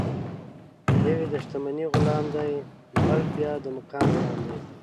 یو یې د شتمنۍ غلام دی، بل بیا د مقام غلام دی.